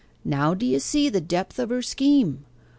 Now do you see the depth of her scheme?